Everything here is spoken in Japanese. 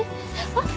あっ。